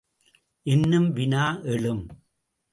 என்னும் வினா எழும்.